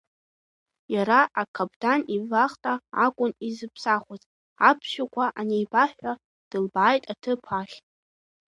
Иара акаԥдан ивахта акәын исыԥсахуаз, аԥсшәақәа анеибаҳҳәа, дылбааит иҭыԥ ахь.